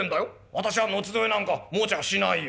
私は後添えなんか持ちゃあしないよ。